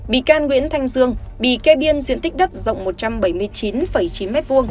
bị can nguyễn thanh dương bị kê biên diện tích đất rộng một trăm bảy mươi chín chín m hai